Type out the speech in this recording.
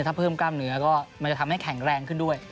ถ้าเพิ่มกล้ามเนื้อก็มันจะทำให้แข็งแรงขึ้นด้วย